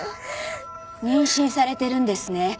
妊娠されてるんですね。